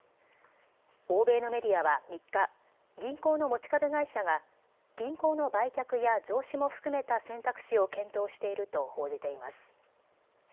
欧米のメディアは３日、銀行の持ち株会社が銀行の売却や増資も含めた選択肢を検討していると報じています。